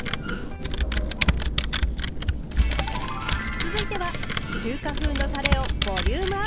続いては中華風のたれをボリュームアップ！